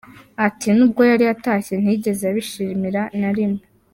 Ati “Nubwo yari atashye, ntiyigeze abyishimira na rimwe.